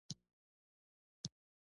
بیزو یو هوښیار حیوان دی.